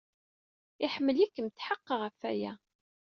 Iḥemmel-ikem. Tḥeqqeɣ ɣef waya.